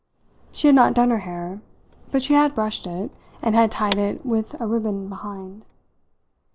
She had not done her hair, but she had brushed it, and had tied it with a ribbon behind.